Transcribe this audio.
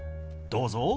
どうぞ。